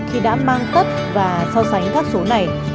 khi đã mang tất và so sánh các số này